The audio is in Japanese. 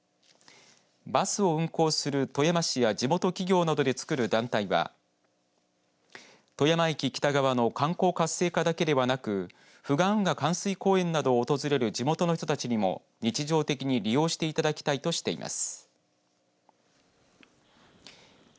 バスを運行する富山市や地元企業などでつくる団体は富山駅北側の観光活性化だけではなく富岩運河環水公園など訪れる地元の人たちにも日常的に利用していただきたいとしています。